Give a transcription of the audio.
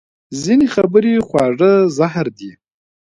ځینې خبرې خواږه زهر دي